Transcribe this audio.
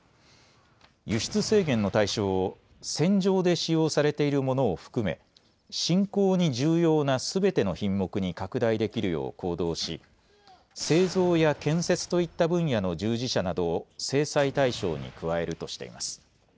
輸出制限の対象を戦場で使用されているものを含め侵攻に重要なすべての品目に拡大できるよう行動し製造や建設といった分野の従事者などを制裁対象に加えるとしています。